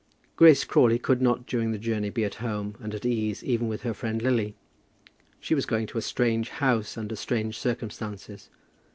Grace Crawley could not during the journey be at home and at ease even with her friend Lily. She was going to a strange house under strange circumstances.